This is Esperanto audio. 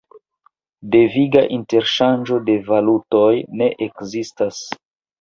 Deviga interŝanĝo de valutoj ne ekzistas.